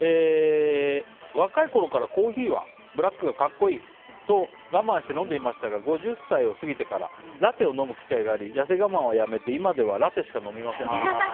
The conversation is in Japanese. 若いころからコーヒーはブラックが格好いいと我慢して飲んでいましたが５０歳を過ぎてからラテを飲む機会がありやせ我慢をやめて今ではラテしか飲みません。